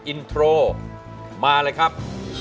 อินโทรมาเลยครับ